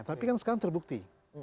tapi kan sekarang terbukti